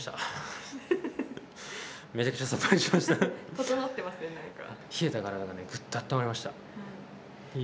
整ってますね何か。